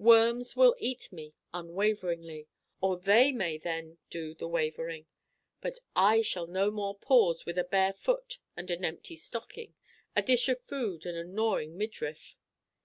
Worms will eat me unwaveringly. Or they may then do the Wavering. But I shall no more pause with a bare foot and an empty stocking, a dish of food and a gnawing midriff.